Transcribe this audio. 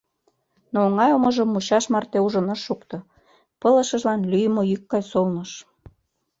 Но оҥай омыжым мучаш марте ужын ыш шукто — пылышыжлан лӱйымӧ йӱк гай солныш...